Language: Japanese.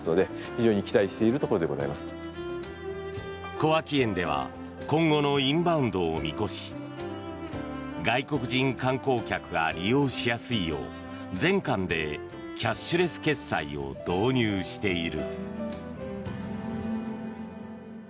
小涌園では今後のインバウンドを見越し外国人観光客が利用しやすいよう全館でキャッシュレス決済を導入している。